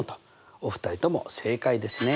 お二人とも正解ですね。